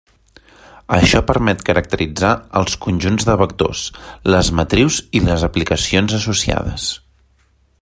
Això permet caracteritzar els conjunts de vectors, les matrius i les aplicacions associades.